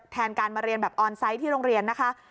แทนการมาเรียนแบบออนไซต์ที่โรงเรียนนะคะ